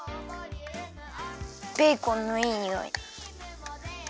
ベーコンのいいにおい。